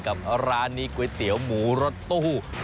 กับร้านนี้ก๋วยเตี๋ยวหมูรถตู้